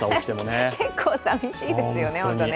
結構寂しいですよね。